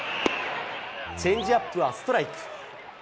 チェンジアップはストライク。